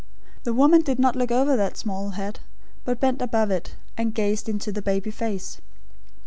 The woman did not look over that small head, but bent above it, and gazed into the baby face.